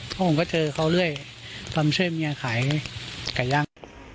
ก็ผมก็เจอเขาเรื่อยทำเชื่อเมียขายไก่ย่าง